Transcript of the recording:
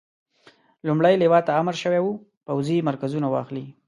لومړۍ لواء ته امر شوی وو پوځي مرکزونه واخلي.